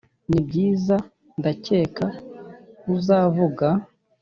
nibyiza ndakeka uzavuga